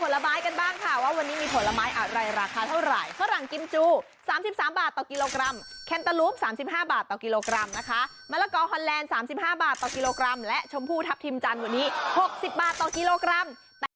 ราคาเท่าไหร่ข้อหลังกิมจู๓๓บาทต่อกิโลกรัมแคนเตอรูป๓๕บาทต่อกิโลกรัมนะคะมะละกอฮอนแลนด์๓๕บาทต่อกิโลกรัมและชมพูทัพทิมจันทร์วันนี้๖๐บาทต่อกิโลกรัม